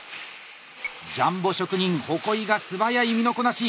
ジャンボ職人鉾井が素早い身のこなし。